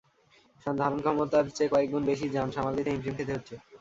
ধারণক্ষমতার চেয়ে কয়েক গুণ বেশি যান সামাল দিতে হিমশিম খেতে হচ্ছে।